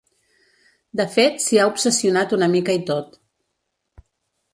De fet s'hi ha obsessionat una mica i tot.